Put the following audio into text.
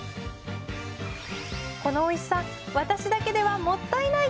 このおいしさ私だけではもったいない！